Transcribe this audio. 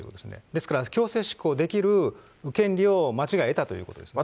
ですから強制執行できる権利を町が得たということですね。